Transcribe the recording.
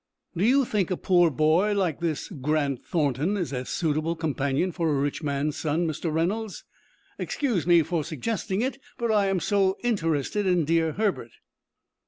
"Do you think a poor boy like this Grant Thornton is a suitable companion for a rich man's son, Mr. Reynolds? Excuse me for suggesting it, but I am so interested in dear Herbert."